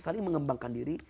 saling mengembangkan diri